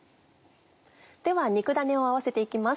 では肉だねを合わせて行きます。